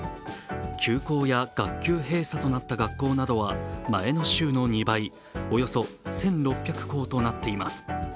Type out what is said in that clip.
休校や学級閉鎖となった学校などは前の週の２倍、およそ１６００校となっています。